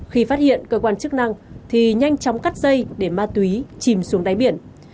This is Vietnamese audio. khi phát hiện cơ quan chức năng thì nhanh chóng cắt dây để ma túy chìm xuống đáy biển